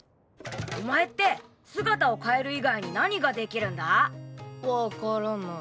お前って姿を変える以外に何ができるんだ⁉わからない。